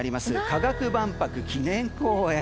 科学万博記念公園。